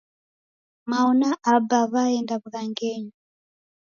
Mao na Aba w'aenda w'ughangenyi.